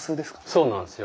そうなんですよ。